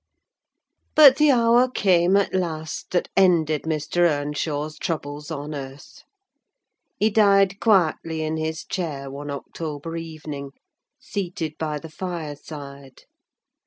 But the hour came, at last, that ended Mr. Earnshaw's troubles on earth. He died quietly in his chair one October evening, seated by the fire side.